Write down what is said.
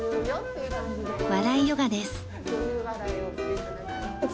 笑いヨガです。